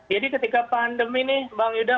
jadi ketika pandemi nih bang yudha